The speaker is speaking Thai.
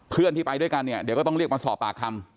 เพื่อนที่ไปด้วยกันเนี่ยเดี๋ยวก็ต้องเรียกมาสอบปากคำ